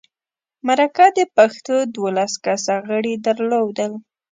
مرکه د پښتو دولس کسه غړي درلودل.